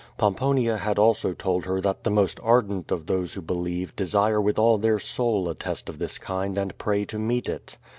Pomponia had also told her that the most ardent of those who believe desire with all their soul a test of this kind and pray to meet it.